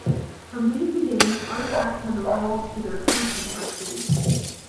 From these beginnings, artifacts have evolved to their current complexity.